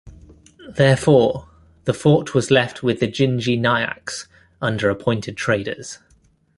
Therefore, the fort was left with the Gingee Nayaks under appointed traders.